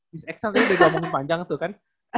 miss x kan tadi udah diomongin panjang tuh kan